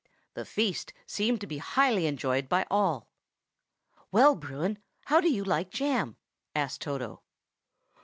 The feast seemed to be highly enjoyed by all. "Well, Bruin, how do you like jam?" asked Toto.